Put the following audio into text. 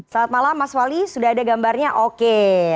selamat malam mas wali sudah ada gambarnya oke